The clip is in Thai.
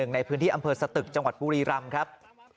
ในพื้นที่อำเภอสตึกจังหวัดบุรีรำครับ